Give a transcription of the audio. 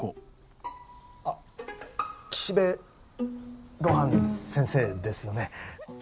あっ岸辺露伴先生ですよね。